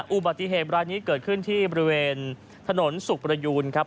อุบัติเหตุรายนี้เกิดขึ้นที่บริเวณถนนสุขประยูนครับ